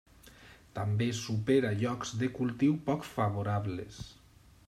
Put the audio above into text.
També supera llocs de cultiu poc favorables.